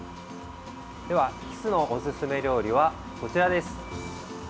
では、キスのおすすめ料理はこちらです。